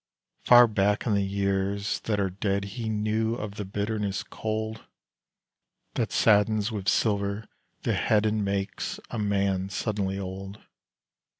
Far back in the years that are dead He knew of the bitterness cold That saddens with silver the head And makes a man suddenly old.